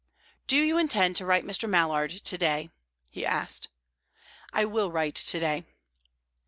"Do you intend to write to Mr. Mallard to day?" he asked. "I will write to day."